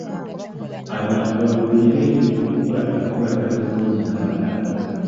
Abantu baluubirire okukola enkolagana ennungi n'abalala.